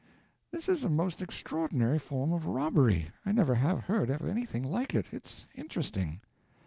"This is a most extraordinary form of robbery, I never have heard of anything like it. It's interesting."